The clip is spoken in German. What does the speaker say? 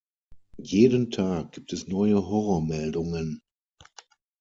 Jeden Tag gibt es neue Horrormeldungen.